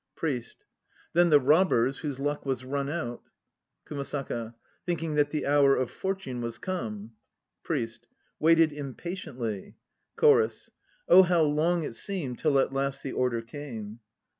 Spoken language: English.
PRIEST. Then the robbers, whose luck was run out, KUMASAKA. Thinking that the hour of fortune was come, PRIEST. Waited impatiently. CHORUS. Oh how long it seemed till at last the order came.